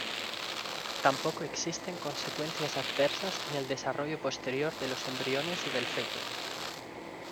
Tampoco existen consecuencias adversas en el desarrollo posterior de los embriones y del feto.